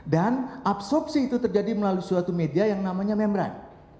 dan absorpsi itu terjadi melalui suatu media yang namanya membran